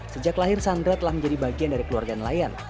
sejak lahir sandra telah menjadi bagian dari keluarga nelayan